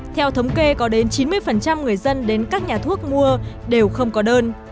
theo thống kê có đến chín mươi người dân đến các nhà thuốc mua đều không có đơn